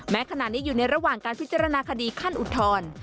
ขณะนี้อยู่ในระหว่างการพิจารณาคดีขั้นอุทธรณ์